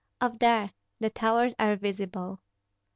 "Off there! The towers are visible."